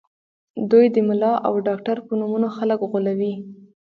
دوی د ملا او ډاکټر په نومونو خلک غولوي